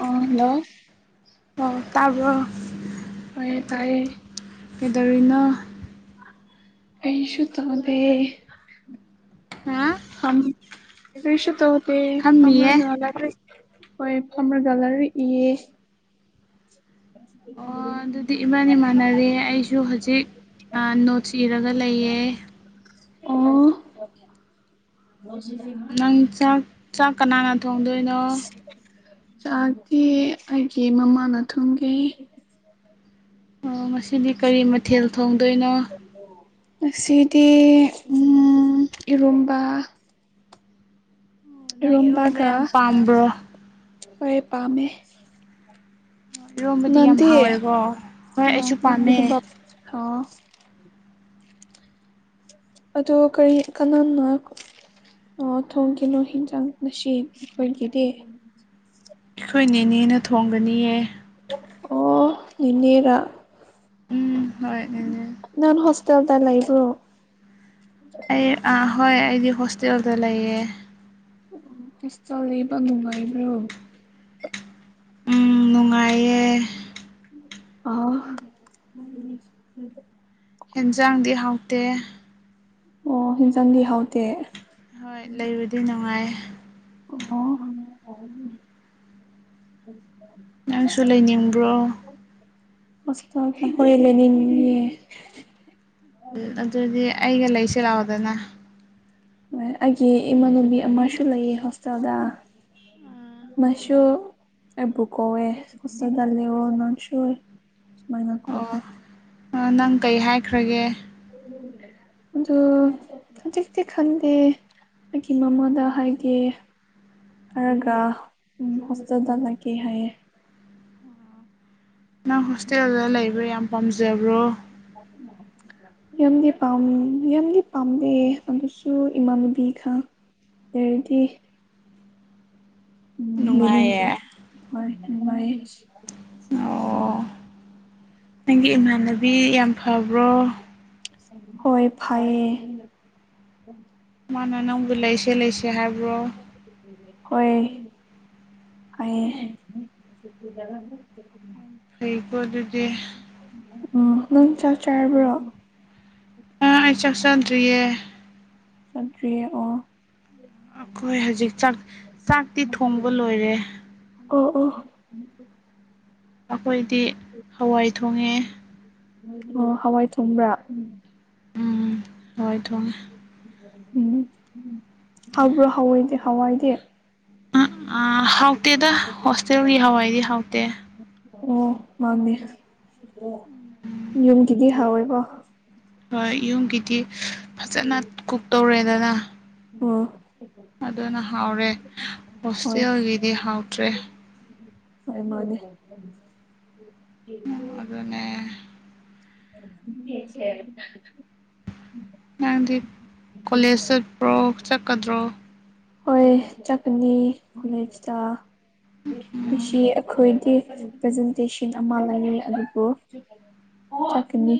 ꯑꯣ ꯍꯜꯂꯣ ꯑꯣ ꯇꯥꯕ꯭ꯔꯣ ꯇꯥꯏꯌꯦ ꯇꯥꯏꯌꯦ ꯀꯩꯗꯧꯔꯤꯅꯣ ꯀꯔꯤꯁꯨ ꯇꯧꯗꯦ ꯍꯥ ꯐꯝ ꯀꯔꯤꯁꯨ ꯇꯧꯗꯦ ꯐꯝꯃꯤꯌꯦ ꯐꯝꯔꯒ ꯂꯥꯏ ꯍꯣꯏ ꯐꯝꯔꯒ ꯂꯥꯏꯔꯤꯛ ꯏꯌꯦ ꯑꯣ ꯑꯗꯨꯗꯤ ꯏꯕꯥꯟꯅꯤ ꯃꯥꯟꯅꯔꯦ ꯑꯩꯁꯨ ꯍꯨꯖꯤꯛ ꯑ ꯅꯣꯠꯁ ꯏꯔꯒ ꯂꯩꯌꯦ ꯑꯣ ꯅꯪ ꯆꯥꯛ ꯆꯥꯛ ꯀꯅꯥꯅ ꯊꯣꯡꯗꯣꯏꯅꯣ ꯆꯥꯛꯇꯤ ꯑꯩꯒꯤ ꯃꯃꯥꯅ ꯊꯣꯡꯒꯤ ꯑꯣ ꯉꯁꯤꯗꯤ ꯀꯔꯤ ꯃꯊꯦꯜ ꯊꯣꯡꯗꯣꯏꯅꯣ ꯉꯁꯤꯗꯤ ꯎꯝ ꯏꯔꯣꯝꯕ ꯑꯣ ꯅꯪ ꯏꯔꯣꯝꯕ ꯏꯔꯣꯝꯕꯒ ꯌꯥꯝ ꯄꯥꯝꯕ꯭ꯔꯣ ꯍꯣꯏ ꯄꯥꯝꯃꯦ ꯏꯔꯣꯝꯕꯗꯤ ꯌꯥꯝ ꯅꯡꯗꯤ ꯍꯥꯎꯋꯦꯀꯣ ꯍꯣꯏ ꯑꯣ ꯑꯩꯁꯨ ꯅꯪ ꯄꯥꯝꯃꯦ ꯏꯔꯨꯝꯕ ꯑꯣ ꯑꯗꯣ ꯀꯔꯤ ꯀꯅꯥꯅꯣ ꯑꯣ ꯊꯣꯡꯈꯤꯅꯨ ꯍꯤꯟꯖꯥꯡ ꯉꯁꯤ ꯑꯩꯈꯣꯏꯒꯤꯗꯤ ꯑꯩꯈꯣꯏ ꯅꯦꯅꯦꯅ ꯊꯣꯡꯒꯅꯤꯌꯦ ꯑꯣ ꯅꯦꯅꯦꯔꯥ ꯎꯝ ꯍꯣꯏ ꯅꯦꯅꯦ ꯅꯪ ꯍꯣꯁꯇꯦꯜꯗ ꯂꯩꯕ꯭ꯔꯣ ꯑꯩ ꯑ ꯍꯣꯏ ꯑꯩꯗꯤ ꯍꯣꯁꯇꯦꯜꯗ ꯂꯩꯌꯦ ꯍꯣꯁꯇꯦꯜ ꯂꯩꯕ ꯅꯨꯡꯉꯥꯏꯕ꯭ꯔꯣ ꯎꯝ ꯅꯨꯡꯉꯥꯏꯌꯦ ꯑ ꯑꯦꯟꯖꯥꯡꯗꯤ ꯍꯥꯎꯇꯦ ꯑꯣ ꯍꯤꯟꯖꯥꯡꯗꯤ ꯍꯥꯎꯇꯦ ꯍꯣꯏ ꯂꯩꯕꯗꯤ ꯅꯨꯡꯉꯥꯏ ꯑꯣ ꯅꯪꯁꯨ ꯂꯩꯅꯤꯡꯕ꯭ꯔꯣ꯫ ꯑꯁ ꯍꯣꯏ ꯂꯩꯅꯤꯡꯉꯤꯅꯤꯅꯦ ꯑꯗꯨꯗꯤ ꯑꯩꯒ ꯂꯩꯁꯤ ꯂꯥꯛꯑꯣꯗꯅ꯫ ꯑꯩꯒꯤ ꯏꯃꯥꯅꯟꯅꯕꯤ ꯑꯃꯁꯨ ꯂꯩꯌꯦ ꯍꯣꯁꯇꯦꯜꯗ ꯃꯥꯁꯨ ꯑꯩꯕꯨ ꯀꯧꯋꯦ ꯑꯁꯤꯗ ꯂꯩꯌꯣ ꯅꯪꯁꯨ ꯃꯥꯏꯅ ꯈꯣꯒꯦ ꯑ ꯅꯪ ꯀꯩ ꯍꯥꯏꯈ꯭ꯔꯒꯦ ꯎꯝ ꯑꯗꯨ ꯍꯧꯖꯤꯛꯇꯤ ꯈꯪꯗꯦ ꯑꯩꯒꯤ ꯃꯃꯥꯗ ꯍꯥꯏꯒꯦ ꯍꯥꯏꯔꯒ ꯎ ꯍꯣꯁꯇꯦꯜꯗ ꯂꯩꯒꯦ ꯍꯥꯏꯌꯦ ꯅꯪ ꯍꯣꯁꯇꯦꯜꯗ ꯂꯩꯕ ꯌꯥꯝ ꯄꯥꯝꯖꯕ꯭ꯔꯣ [inaudible] ꯌꯥꯝꯗꯤ ꯄꯝ ꯌꯥꯝꯗꯤ ꯄꯥꯝꯗꯦ ꯑꯗꯨꯁꯨ ꯏꯃꯥꯟꯅꯨꯕꯤ ꯈꯥ ꯑꯗꯨꯔꯗꯤ ꯂꯩꯅꯤꯡꯢ ꯅꯨꯡꯉꯥꯏꯌꯦ ꯍꯣꯏ ꯅꯨꯡꯉꯥꯏꯌꯦ ꯑꯣ ꯅꯪꯒꯤ ꯏꯃꯥꯟꯅꯕꯤ ꯌꯥꯝ ꯐꯕ꯭ꯔꯣ ꯍꯣꯏ ꯐꯩꯌꯦ ꯃꯥꯅ ꯅꯪꯕꯨ ꯂꯩꯁ ꯂꯩꯁꯦ ꯍꯥꯏꯕ꯭ꯔꯣ ꯍꯣꯏ ꯐꯩꯌꯦ ꯐꯩꯀꯣ ꯑꯗꯨꯗꯤ ꯎꯝ ꯅꯪ ꯆꯥꯛ ꯆꯥꯔꯕ꯭ꯔꯣ ꯑꯥ ꯑꯩ ꯆꯥꯛ ꯆꯗ꯭ꯔꯤꯌꯦ ꯆꯥꯗ꯭ꯔꯤꯌꯦ ꯑꯣ ꯑꯩꯈꯣꯏ ꯍꯧꯖꯤꯛ ꯆꯥꯛ ꯆꯥꯛꯇꯤ ꯊꯣꯡꯕ ꯂꯣꯏꯔꯦ ꯑꯣ ꯑꯣ ꯎ ꯑꯩꯈꯣꯏꯗꯤ ꯍꯋꯥꯏ ꯊꯣꯡꯉꯦ ꯑꯣ ꯍꯋꯥꯏ ꯊꯣꯡꯕ꯭ꯔꯥ ꯎꯝ ꯎꯝ ꯍꯣꯏ ꯊꯣꯡꯉꯦ ꯎꯝ ꯍꯥꯎꯕ꯭ꯔꯣ ꯍꯋꯥꯏꯗꯦ ꯍꯋꯥꯏꯗꯤ ꯎ ꯑ ꯍꯥꯎꯇꯦꯗ ꯍꯣꯁꯇꯦꯜꯒꯤ ꯍꯋꯥꯏꯗꯤ ꯍꯥꯎꯇꯦ ꯑꯣ ꯃꯥꯥꯟꯅꯦ ꯌꯨꯝꯒꯤꯗꯤ ꯍꯥꯎꯋꯦꯕꯣ ꯍꯣꯏ ꯌꯨꯝꯒꯤꯗꯤ ꯐꯖꯅ ꯀꯨꯛ ꯇꯧꯔꯦꯗꯅ ꯑꯣ ꯑꯗꯨꯅ ꯍꯥꯎꯔꯦ ꯍꯣꯏ ꯍꯣꯁꯇꯦꯜꯒꯤꯗꯤ ꯍꯥꯎꯇ꯭ꯔꯦ ꯍꯣꯏ ꯃꯅꯦ ꯎ ꯑꯗꯨꯅꯦ [inaudible] ꯅꯪꯗꯤ ꯀꯣꯂꯦꯖ ꯆꯠꯄ꯭ꯔꯣ ꯆꯠꯀꯗ꯭ꯔꯣ ꯍꯣꯏ ꯆꯠꯀꯅꯤ ꯀꯣꯂꯦꯖꯇ ꯉꯁꯤ ꯑꯩꯈꯣꯏꯗꯤ ꯄ꯭ꯔꯖꯦꯟꯇꯦꯁꯟ ꯑꯃ ꯂꯩꯌꯦ ꯑꯗꯨꯕꯨ ꯑꯣ ꯆꯠꯀꯅꯤ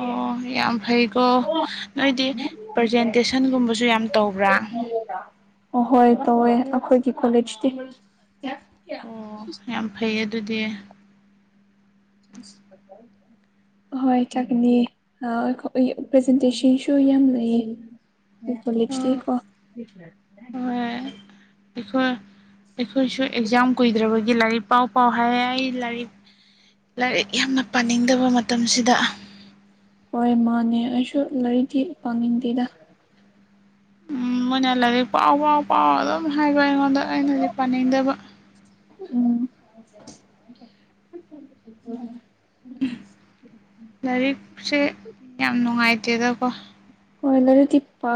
ꯑꯣ ꯌꯥꯝ ꯐꯩ ꯁꯣ ꯅꯣꯏꯗꯤ ꯄ꯭ꯔꯖꯦꯟꯇꯦꯁꯟꯒꯨꯝꯕꯁꯨ ꯌꯥꯝ ꯇꯧꯕ꯭ꯔꯥ ꯑꯥꯍꯣꯏ ꯇꯧꯋꯦ ꯑꯩꯈꯣꯏꯒꯤ ꯀꯣꯂꯦꯖꯇꯤ꯫ ꯑꯣ ꯌꯥꯝ ꯐꯩꯌꯦ ꯑꯗꯨꯗꯤ [inaudible] ꯍꯣꯏ ꯆꯠꯒꯅꯤ ꯑ ꯄ꯭ꯔꯖꯦꯟꯇꯦꯁꯟꯁꯨ ꯌꯥꯝ ꯂꯩꯌꯦ꯫ ꯍꯣꯢ ꯑꯣ ꯀꯣꯂꯦꯖꯇꯤꯀꯣ꯫ ꯍꯣꯏ ꯑꯩꯈꯣꯏ ꯑꯩꯈꯣꯏꯁꯨ ꯑꯦꯛꯖꯥꯝ ꯀꯨꯏꯗ꯭ꯔꯕꯒꯤ ꯂꯥꯏꯔꯤꯛ ꯄꯥꯎ ꯄꯥꯎ ꯍꯥꯏ ꯑꯩ ꯂꯥꯏꯔꯤꯛ ꯂꯥꯏꯔꯤꯛ ꯌꯥꯝꯅ ꯄꯥꯅꯤꯡꯗꯕ ꯃꯇꯝꯁꯤꯗ ꯍꯣꯏ ꯃꯥꯅꯦ ꯑꯩꯁꯨ ꯂꯩꯥꯏꯔꯤꯛꯗꯤ ꯄꯥꯅꯤꯡꯗꯦꯗ ꯃꯣꯏꯅ ꯂꯥꯏꯔꯤꯛ ꯄꯥꯎ ꯄꯥꯎ ꯄꯥꯎ ꯑꯗꯨꯝ ꯍꯥꯏꯕ ꯑꯩꯉꯣꯟꯗ ꯑꯩꯅꯗꯤ ꯄꯥꯅꯤꯡꯗꯕ ꯎꯝ꯫ ꯂꯥꯏꯔꯤꯛꯁꯦ ꯌꯥꯝ ꯅꯨꯡꯉꯥꯏꯇꯦꯗꯀꯣ ꯍꫭꯏ ꯂꯥꯏꯔꯤꯛꯇꯤ ꯄꯥ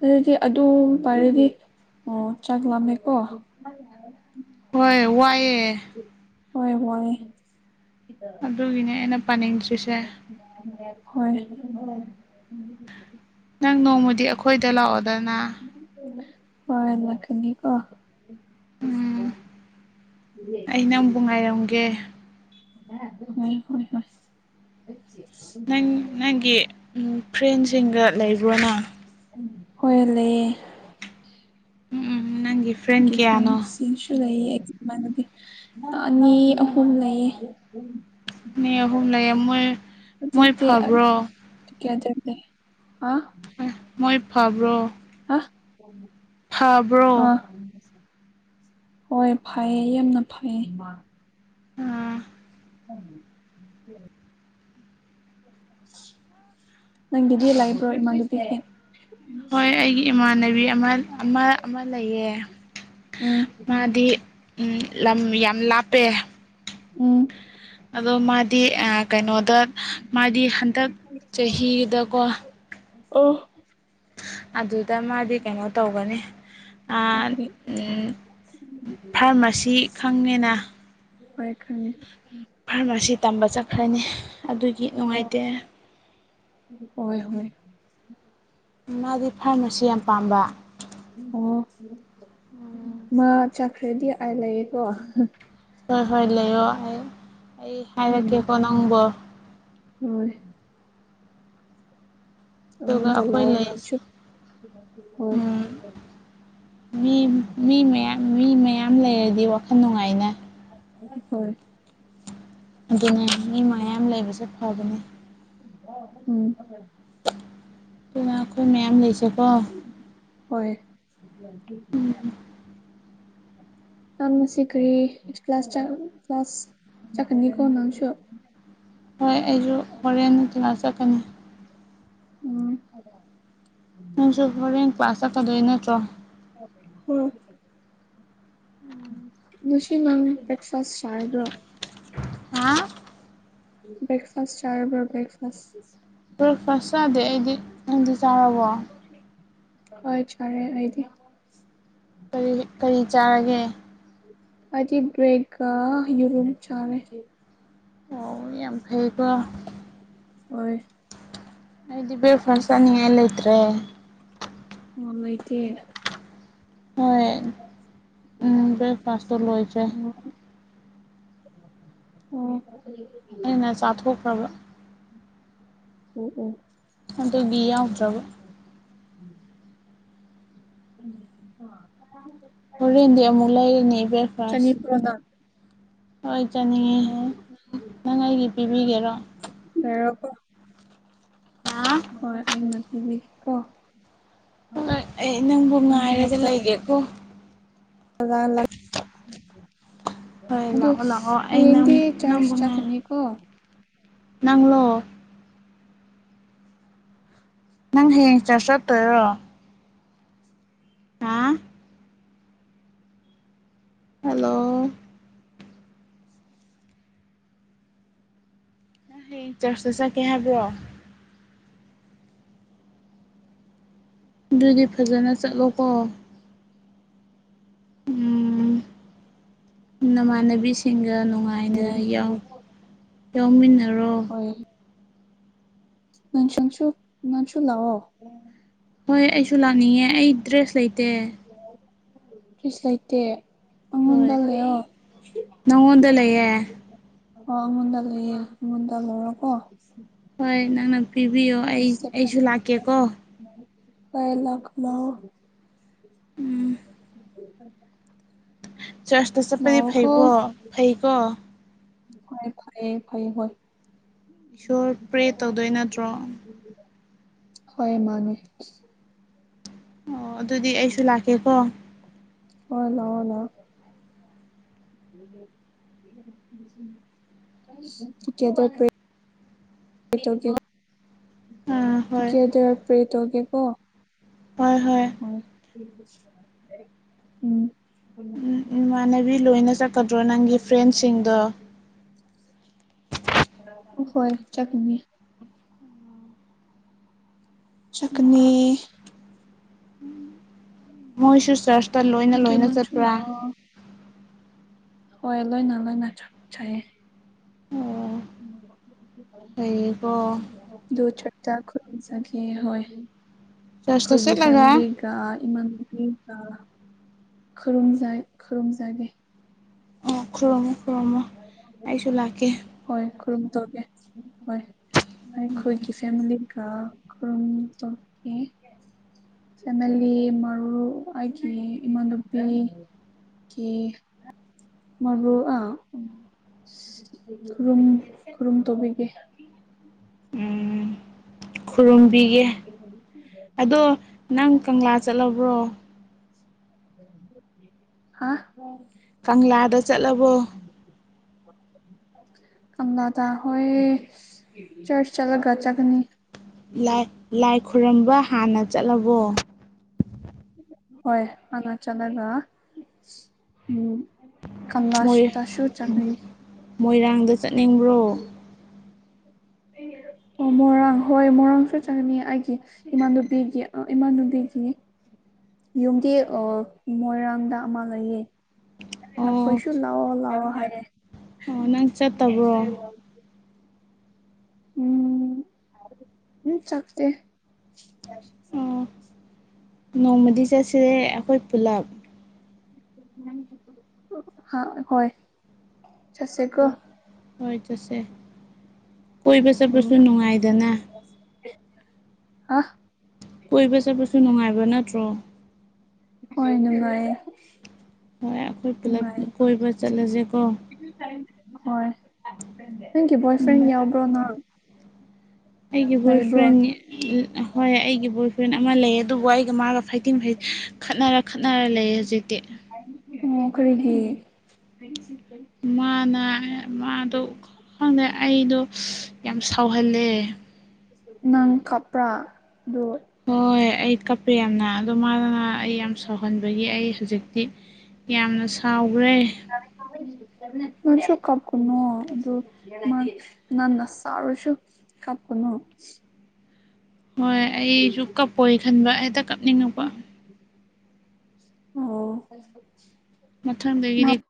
ꯂꯥꯏꯔꯤꯛꯇꯤ ꯑꯗꯨꯝ ꯄꯔꯗꯤ ꯑꯣ ꯆꯥꯛ ꯂꯥꯝꯃꯦꯀꯣ ꯍꯣꯏ ꯋꯥꯏꯑꯦ ꯍꯣꯏ ꯋꯥꯏꯑꯦ ꯑꯗꯨꯒꯤꯅꯦ ꯑꯩꯅ ꯄꯥꯅꯤꯡꯗ꯭ꯔꯤꯁꯦ ꯍꯣꯏ ꯅꯪ ꯅꯣꯡꯃꯗꯤ ꯑꯩꯈꯣꯏꯗ ꯂꯥꯛꯑꯣꯗꯅ ꯍꯣꯏ ꯂꯥꯛꯀꯥꯅꯤ ꯀꯣ ꯎꯝ ꯑꯩ ꯅꯪꯕꯨ [inaudible] ꯉꯥꯏꯔꯝꯒꯦ [unintelligible] ꯍꫭꯏ ꯍꯣꯏ ꯍꯣꯏ ꯅꯪ ꯅꯪꯒꯤ ꯐ꯭ꯔꯦꯟꯁꯤꯡꯒ ꯂꯩꯕ꯭ꯔꯣꯅꯥ ꯍꯣꯏ ꯂꯩꯌꯦ ꯎꯝ ꯎꯝ ꯅꯪꯒꯤ ꯐ꯭ꯔꯦꯟ ꯒꯤ ꯀꯌꯥꯅꯣ ꯐ꯭ꯔꯦꯟꯁ [unintelligible] ꯁꯨ ꯂꯩꯌꯦ ꯏꯃꯥꯟꯅꯕꯤ ꯑꯅꯤ ꯑꯍꯨꯝ ꯂꯩꯌꯦ ꯑꯅꯤ ꯑꯍꯨꯝ ꯂꯩꯌꯦ ꯃꯣꯏ ꯃꯣꯏ ꯍꯧꯖꯤꯛꯇꯤ ꯑ ꯐꯕ꯭ꯔꯣ ꯇꯨꯒꯦꯗꯔꯅꯦ ꯑꯥ ꯃꯣꯏ ꯐꯕ꯭ꯔꯣ ꯍꯥ ꯐꯕ꯭ꯔꯣ ꯑꯥ ꯍꯣꯏ ꯐꯩꯌꯦ ꯌꯥꯝꯅ ꯐꯩꯌꯦ ꯑꯥ [inaudible] ꯅꯪꯒꯤꯗꯤ ꯂꯩꯕ꯭ꯔꯣ ꯏꯃꯥꯟꯅꯕꯤꯁꯤꯡ ꯍꯣꯏ ꯑꯩꯒꯤ ꯏꯃꯥꯟꯅꯕꯤ ꯑꯃ ꯑꯃ ꯑꯃ ꯂꯩꯌꯦ ꯎꯝ ꯃꯥꯗꯤ ꯎꯝ ꯂꯝ ꯌꯥꯝ ꯂꯥꯞꯄꯦ ꯎꯝ‌꯫ ꯑꯗꯣ ꯃꯥꯗꯤ ꯀꯩꯅꯣꯗ ꯃꯥꯗꯤ ꯍꯟꯗꯛ ꯆꯍꯤꯗꯀꯣ ꯑꯣ ꯑꯗꯨꯗ ꯃꯥꯗꯤ ꯀꯩꯅꯣ ꯇꯧꯒꯅꯤ ꯑꯥ ꯀꯔꯤ ꯐꯥꯔꯃꯥꯁꯤ ꯈꯪꯉꯦꯅ ꯍꯣꯏ ꯈꯪꯉꯦ ꯎꯝ ꯐꯥꯔꯃꯥꯁꯤ ꯇꯝꯕ ꯆꯠꯈ꯭ꯔꯅꯤ ꯑꯗꯨꯒꯤ ꯅꯨꯡꯉꯥꯏꯇꯦ ꯑꫭꯏ ꯍꯣꯏ ꯃꯥꯗꯤ ꯐꯥꯔꯃꯥꯁꯤ ꯌꯥꯝ ꯄꯥꯝꯕ ꯑꯣ ꯃꯥ ꯆꯠꯈ꯭ꯔꯗꯤ ꯑꯩ ꯂꯩꯌꯦꯀꯣ ꯍꯣꯏ ꯍꯣꯏ ꯂꯩꯔꯣ ꯑꯩ ꯑꯩ ꯎꯝ ꯍꯥꯏꯔꯛꯀꯦꯀꯣ ꯅꯪꯕꯣ ꯍꯣꯏ ꯑꯗꯨꯒ ꯑꯩꯉꫭꯟꯗ ꯑꯩꯈꯣꯏ ꯂꯥꯎ ꯂꯩ ꯉꯥꯡꯁꯤꯟ ꯍꯣꯏ ꯃꯤ ꯃꯤ ꯃꯌꯥꯝ ꯃꯤ ꯃꯌꯥꯝ ꯂꯩꯔꯗꯤ ꯋꯥꯈꯜ ꯅꯨꯡꯉꯥꯏꯅ ꯍꯣꯏ ꯑꯗꯨꯅꯦ ꯃꯤ ꯃꯌꯥꯝ ꯂꯩꯕꯁꯦ ꯐꯕꯅꯦ ꯎꯝ ꯄꯨꯟꯅ ꯑꯩꯈꯣꯏ ꯃꯌꯥꯝ ꯂꯩꯁꯦꯀꯣ ꯍꯣꯏ ꯅꯪ ꯉꯁꯤ ꯀꯔꯤ ꯀ꯭ꯂꯥꯁ ꯀ꯭ꯂꯥꯁ ꯆꯥꯛꯀꯅꯤꯀꯣ ꯅꯪꯁꯨ ꯍꯣꯏ ꯑꯩꯁꯨ ꯍꯣꯔꯦꯟ ꯀ꯭ꯂꯥꯁ ꯆꯠꯀꯅꯤ ꯎꯝ ꯅꯪꯁꯨ ꯍꯣꯔꯦꯟ ꯀ꯭ꯂꯥꯁ ꯆꯠꯀꯗꯣꯏ ꯅꯠꯇ꯭ꯔꯣ ꯍꯣꯢ ꯅꯨꯡꯁꯤ ꯃꯪ [inaudible] ꯭ꯔꯦꯛꯐꯥꯥꯁ ꯁꯔꯗ꯭ꯔꯣ ꯍꯥ ꯕ꯭ꯔꯦꯛꯐꯥꯁ ꯆꯥꯔꯕꯣ ꯕ꯭ꯔꯦꯛꯐꯥꯁ ꯕ꯭ꯔꯦꯛꯐꯥꯁ ꯆꯥꯗꯦ ꯑꯩꯗꯤ ꯅꯪꯗꯤ ꯆꯥꯔꯕꯣ ꯍꯣꯏ ꯆꯥꯔꯦ ꯑꯩꯗꯤ ꯀꯔꯤ ꯀꯔꯤ ꯆꯥꯔꯒꯦ ꯑꯩꯗꯤ ꯕꯔꯦꯛ ꯒ ꯌꯦꯔꯨꯝ ꯆꯥꯔꯦ ꯑꯣ ꯌꯥꯝ ꯐꯩꯀꯣ ꯍꯣꯏ ꯑꯩꯗꯤ ꯍꯥꯎꯋꯦ ꯕ꯭ꯔꯦꯛꯐꯥꯁ ꯆꯥꯅꯤꯡꯉꯥꯏ ꯂꯩꯇ꯭ꯔꯦ ꯅꯨꯡꯉꯥꯏꯇꯦ ꯍꯣꯏ ꯎꯝ ꯎꯝ ꯕ꯭ꯔꯦꯛꯐꯥꯁꯇꯣ ꯂꯣꯏꯈ꯭ꯔꯦ [inaudible] ꯑꯣ ꯑꯩꯅ ꯆꯥꯊꯣꯛꯈ꯭ꯔꯕ ꯑꯣ ꯑꯣ ꯑꯗꯨꯒꯤ ꯌꯥꯎꯗ꯭ꯔꯕ ꯍꯣꯔꯦꯟꯗꯤ ꯑꯃꯨꯛ ꯂꯩꯔꯅꯤ ꯕ꯭ꯔꯦꯛꯐꯥꯁ ꯆꯥꯅꯤꯡꯕꯔꯣ ꯅꯪ ꯍꯣꯏ ꯆꯥꯅꯤꯡꯉꯤ ꯅꯪ ꯑꯩꯒꯤ ꯄꯤꯕꯤꯒꯦꯔꯣ ꯌꯥꯣ [inaudible] ꯍꯥꯥ ꯍꯣꯢ ꯑꯩꯅ ꯄꯤꯕꯤꯒꯦꯒꯣ ꯍꯣꯏ ꯑꯩ ꯅꯪꯕꯨ ꯅꯪꯒꯤ ꯉꯥꯏꯔꯒ ꯍꯣꯁꯇꯦꯜꯗ ꯂꯩꯒꯦꯀꯣ ꯍꯣꯏ ꯑꯗꯨ ꯂꯥꯛꯑꯣ ꯂꯥꯛꯑꯣ ꯑꯩ ꯅꯪ ꯍꯌꯦꯡꯗꯤ ꯆꯥ꯭ꯔꯆ ꯅꯪꯕꯨ ꯉꯥꯏꯔꯦ ꯆꯠꯀꯅꯤꯀꯣ ꯒꯣ ꯅꯪꯂꯣ ꯅꯪ ꯍꯌꯦꯡ ꯆ꯭ꯥꯁꯆ ꯆꯠꯇꯣꯢꯔꯣ ꯍꯥ ꯍꯜꯂꯣ ꯅꯪ ꯍꯌꯦꯡ ꯆꯥ꯭ꯔꯆꯇ ꯆꯠꯀꯦ ꯍꯥꯏꯕ꯭ꯔꯣ ꯑꯗꯨꯗꯤ ꯐꯖꯅ ꯆꯠꯂꯣꯀꯣ ꯎꯝ ꯅꯃꯥꯟꯅꯕꯤꯁꯤꯡꯒ ꯅꯨꯡꯉꯥꯢꯅ ꯎꯝ ꯉꯥꯏꯅ ꯌꯥꯎꯃꯤꯟꯅꯔꯣ ꯅꯪꯁꯨ ꯅꯪꯁꯨ ꯂꯥꯛꯑꯣ ꯍꯣꯏ ꯑꯩꯁꯨ ꯂꯥꯛꯅꯤꯡꯉꯦ ꯑꯩ ꯗ꯭ꯔꯦꯁ ꯂꯩꯇꯦ ꯗ꯭ꯔꯦꯁ ꯂꯩꯇꯦ ꯑꯪꯉꯣꯟꯗ ꯍꯣꯏ ꯂꯩꯑꯣ ꯅꯪꯉꯣꯟꯗ ꯂꯩꯌꯦ ꯑꯣꯉꯟꯗ ꯂꯩꯌꯦ ꯑꯩꯉꯟꯗ ꯂꯧꯔꯣꯀꯣ ꯍꯣꯏ ꯅꯪꯅ ꯄꯤꯕꯤꯌꯣ ꯑꯩ ꯑꯩꯁꯨ ꯂꯥꯛꯀꯦꯀꯣ ꯍꯣꯢ ꯂꯥꯛꯑꯣ ꯎꯝ꯫ [inaudible] ꯫ ꯆꯔꯨꯆꯇꯥ ꯆꯄꯗꯤ ꯐꯩꯕ ꯐꯩꯒꯣ꯫ ꯍꯣꯏ ꯐꯌꯦ ꯐꯌꯦ ꯍꯣꯏ꯫ ꯏꯁꯣꯔ ꯄ꯭ꯔꯦ ꯇꯧꯗꯣꯏ ꯅꯠꯇ꯭ꯔꯣ ꯍꯣꯏ ꯃꯥꯅꯦ꯫ ꯑꯣ ꯑꯗꯨꯗꯤ ꯑꯩꯁꯨ ꯂꯥꯛꯀꯦꯀꯣ꯫ ꯍꯣꯏ ꯂꯛꯑꯣ꫰ ꯀꯗ [inaudible] ꯫ ꯑꯥ ꯍꯣꯏ ꯀꯗꯔ ꯄ꯭ꯔꯦꯇꯣꯒꯦꯀꯣ꯫ ꯍꯣꯏ ꯎꯨꯝ꯫ ꯎꯝ ꯏꯃꯥꯟꯅꯕꯤ ꯂꯣꯏꯅ ꯆꯠꯀꯗ꯭ꯔꯣ ꯅꯪꯒꯤ ꯐ꯭ꯔꯦꯟꯁꯤꯡꯗꯣ꯫ ꯍꯣꯏ ꯆꯠꯀꯅꯤ꯫ ꯎꯝ ꯆꯠꯀꯅꯤ꯫ ꯃꯣꯏꯁꯨ ꯆꯔꯆꯇ ꯂꯣꯏꯅ ꯑꯗꯨ ꯂꯣꯏꯅ ꯅꯪꯁꯨ ꯆꯠꯄ꯭ꯔꯥ꯫ ꯂꯥꯛꯑꯣ ꯍꯣꯏ ꯂꯣꯏꯅ ꯂꯣꯏꯅ ꯆꯠꯆꯌꯦ꯫ ꯑꯣ ꯐꯩꯌꯦꯀꯣ ꯗꯣ ꯆꯔ ꯆ ꯈꯨ ꯆꯠꯅꯤ ꯍꯣꯏ꯫ ꯆꯔꯆꯇ ꯑꯩꯈꯣꯏꯒꯤ ꯆꯠꯂꯒ ꯐꯦꯃꯤꯂꯤꯒ ꯏꯃꯥꯟꯅꯄꯤꯒ ꯈꯨꯔꯨꯝꯖꯩ ꯈꯨꯔꯨꯝꯖꯒꯦ ꯑꯣ ꯈꯨꯔꯨꯝꯃꯣ ꯈꯨꯔꯨꯝꯃꯣ ꯑꯩꯁꯨ ꯂꯥꯛꯀꯦ ꯍꯣꯏ ꯈꯨꯔꯨꯝ ꯇꯧꯒꯦ ꯍꯣꯏ ꯑꯩꯈꯣꯏꯒꯤ ꯐꯦꯃꯤꯂꯤ ꯀ ꯈꯨꯨꯔꯨꯝꯊꯣꯛꯀꯦ ꯐꯦꯃꯤꯂꯤ ꯃꯔꯨꯞ ꯑꯩꯒꯤ ꯏꯃꯥꯟꯅꯄꯤ ꯀꯤ ꯃꯔꯨ ꯑꯥ ꯈꯨꯔꯨꯝ ꯈꯨꯔꯨꯝ ꯇꯧꯕꯤꯒꯦ ꯎꯝ ꯈꯨꯔꯨꯝꯕꯤꯒꯦ ꯑꯗꯣ ꯅꯪ ꯀꯪꯂꯥ ꯆꯠꯂꯕ꯭ꯔꯣ ꯍꯥ ꯀꯪꯂꯥꯗ ꯆꯠꯂꯕꯣ ꯎꯨꯝ [unintelligible] ꯀꯪꯂꯥꯗ ꯍꯣꯏ ꯆ꯭ꯔꯁ ꯆꯠꯂꯒ ꯆꯒꯅꯤ ꯂꯥꯏ ꯂꯥꯏ ꯈꯨꯔꯝꯕ ꯍꯥꯟꯅ ꯆꯠꯂꯕꯣ ꯍꯣꯏ ꯍꯥꯟꯅ ꯆꯠꯒ ꯎꯝ ꯃꯣꯏ ꯀꯂꯥꯁꯇꯁꯨ ꯆꯠꯀꯅꯤ ꯃꯣꯏꯔꯥꯡꯗ ꯆꯠꯅꯤꯡꯕ꯭ꯔꯣ ꯑꯣ ꯃꯣꯏꯔꯥꯡ ꯍꯣꯏ ꯃꯣꯏꯔꯥꯡꯁꯨ ꯆꯪꯅꯤ ꯑꯩꯒꯤ ꯏꯃꯥꯟꯅꯨꯕꯤꯒꯤ ꯑꯥ ꯏꯃꯥꯟꯅꯨꯕꯤꯒꯤ ꯌꯨꯝꯗꯤ ꯑꯥ ꯃꯣꯏꯔꯥꯡꯗ ꯑꯃ ꯂꯩꯌꯦ ꯑꯣ ꯃꯈꯣꯏꯁꯨ ꯂꯥꯛꯑꯣ ꯂꯥꯛꯑꯣ ꯍꯥꯏꯔꯦ ꯑꯣ ꯅꯪ ꯆꯠꯇꯕ꯭ꯔꯣ ꯎꯝ ꯎ ꯆꯛꯇꯦ [inaudible] ꯫ ꯑꯣ ꯅꯣꯡꯃꯗꯤ ꯆꯠꯁꯦ ꯑꯩꯈꯣꯏ ꯄꯨꯜꯂꯞ꯫ ꯑ ꯍꯣꯏ ꯆꯠꯁꯦꯀꯣ꯫ ꯍꯣꯏ ꯆꯠꯁꯦ ꯀꯣꯏꯕ ꯆꯠꯄꯁꯨ ꯅꯨꯡꯉꯥꯏꯗꯅ꯫ ꯑꯥ--꯫ ꯀꯣꯏꯕ ꯆꯠꯄꯁꯨ ꯅꯨꯡꯉꯥꯏꯕ ꯅꯠꯇ꯭ꯔꯣ꯫ ꯍꯣꯏ ꯅꯨꯡꯉꯥꯏꯌꯦ꯫ ꯍꯣꯏ ꯑꯩꯈꯣꯏ ꯄꯨꯂꯞ ꯅꯨꯡꯉꯥꯏꯌꯦ ꯀꯣꯏꯕ ꯆꯠꯂꯁꯦꯀꯣ꯫ ꯍꯣꯏ ꯅꯪꯒꯤ ꯕꯣꯏ ꯐ꯭ꯔꯦꯟ ꯎꯝ ꯌꯥꯎꯕ꯭ꯔꯣ ꯅꯪ--꯫ ꯑꯩꯒꯤ ꯕꯣꯏ ꯂꯩꯕ꯭ꯔꯣ ꯑꯣ ꯐ꯭ꯔꯦꯟ ꯍꯣꯏ ꯑꯩꯒꯤ ꯕꯣꯏ ꯐ꯭ꯔꯦꯟ ꯑꯃ ꯂꯩ ꯑꯗꯨꯕꯨ ꯑꯩꯒ ꯃꯥꯒ ꯐꯩꯇꯤꯡ ꯐꯩ--꯫ ꯈꯠꯅꯔ ꯈꯠꯅꯔ ꯂꯩ ꯍꯧꯖꯤꯛꯇꯤ꯫ ꯑꯣ ꯀꯔꯤꯒꯤ ꯍꯥꯏ ꯆꯤꯇꯦ ꯃꯥꯅ ꯃꯥꯗꯣ ꯈꯪꯗꯦ ꯑꯩꯗꯣ ꯌꯥꯝ ꯁꯥꯎꯍꯜꯂꯦ ꯅꯪ ꯀꯞꯄ꯭ꯔꯥ ꯑꯗꯨ ꯍꯣꯏ ꯑꯩ ꯀꯞꯄꯦ ꯌꯥꯝꯅ ꯑꯗꯣ ꯃꯥꯗꫭ ꯅꯍꯥꯟ ꯑꯩ ꯌꯥꯝ ꯁꯥꯎꯍꯟꯕꯒꯤ ꯑꯩ ꯍꯧꯖꯤꯛꯇꯤ ꯌꯥꯝꯅ ꯁꯥꯎꯈ꯭ꯔꯦ ꯅꯪꯁꯨ ꯀꯥꯞꯀꯅꯨ ꯑꯗꯨ ꯃꯥꯁꯨ ꯅꯪꯅ ꯁꯥꯎꯔꯁꯨ ꯀꯥꯞꯀꯅꯨ ꯍꯣꯏ ꯑꯩꯁꯨ ꯀꯞꯄꫭꯏ ꯈꯟꯕ ꯍꯦꯛꯇ ꯀꯞꯅꯤꯡꯉꯛꯄ ꯑꯣ ꯃꯥ ꯃꯊꯪꯗꯒꯤꯗꯤ